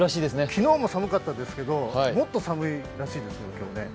昨日も寒かったですけどもっと寒いらしいですね。